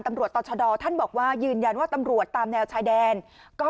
ต่อชะดอท่านบอกว่ายืนยันว่าตำรวจตามแนวชายแดนก็